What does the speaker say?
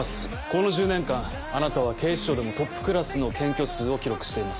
この１０年間あなたは警視庁でもトップクラスの検挙数を記録しています。